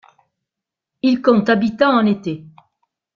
Il compte habitants en été.